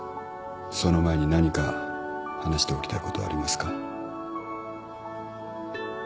その前に何か話しておきたいことはありますか。